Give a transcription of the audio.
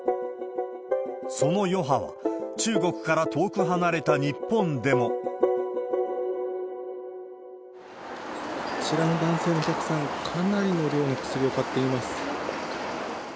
その余波は、中国から遠く離れた日本でも。あちらの男性のお客さん、かなりの量の薬を買っています。